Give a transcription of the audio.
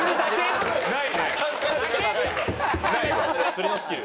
釣りのスキル。